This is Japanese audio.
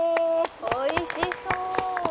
「おいしそう！」